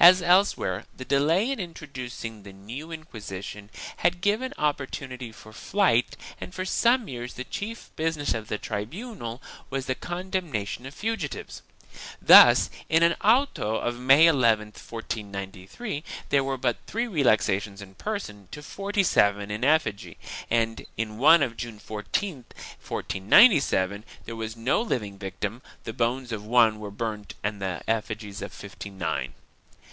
As else where, the delay in introducing the new Inquisition had given opportunity for flight and for some years the chief business of the tribunal was the condemnation of fugitives. Thus, in an auto of May 11, 1493, there were but three relaxations in person to forty seven in effigy and, in one of June 14, 1497, there was no living victim, the bones of one were burnt and the effigies of fifty nine.